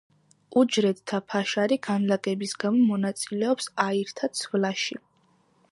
უჯრედთა ფაშარი განლაგების გამო მონაწილეობს აირთა ცვლაში.